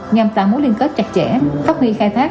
nhằm tạo mối liên kết chặt chẽ phát huy khai thác